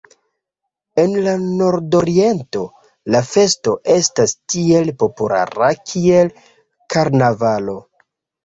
En la Nordoriento, la festo estas tiel populara kiel karnavalo.